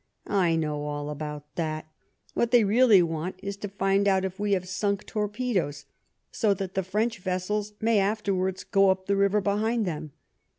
I know all about that : what they really want is to find out if we have sunk torpedoes, so that the French vessels may after wards go up the river behind them.